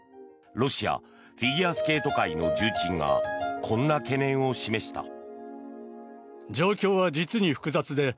ロシアフィギュアスケート界の重鎮がこんな懸念を示した。